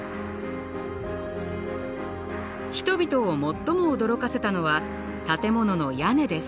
人々を最も驚かせたのは建物の屋根です。